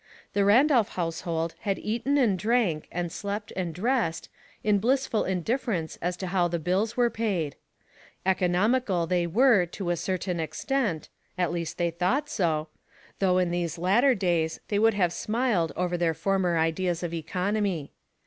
The Randolph household had eaten and drank, and slept and dressed, in blissful indif ference as to how the bills were paid. Economi cal they were to a certain extent, at least they thought so ; though in these latter days they would have smiled over their former ideas of economy.